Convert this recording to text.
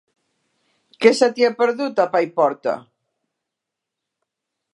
Què se t'hi ha perdut, a Paiporta?